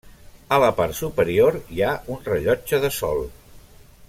A la part superior hi ha un rellotge de sol.